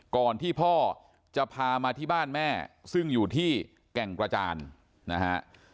ก่อนที่พ่อจะพามาที่บ้านแม่ซึ่งอยู่ที่แก่งกระจานนะฮะ